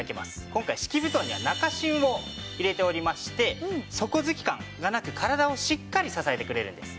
今回敷き布団には中芯を入れておりまして底付き感がなく体をしっかり支えてくれるんです。